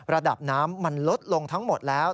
ระดับน้ำมันลดลงทั้งหมดแล้ว